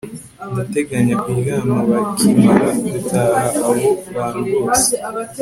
Ndateganya kuryama bakimara gutaha abo bantu bose